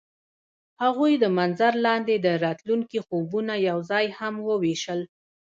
هغوی د منظر لاندې د راتلونکي خوبونه یوځای هم وویشل.